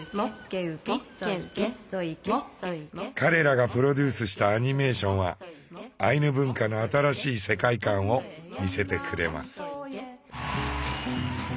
彼らがプロデュースしたアニメーションはアイヌ文化の新しい世界観を見せてくれます。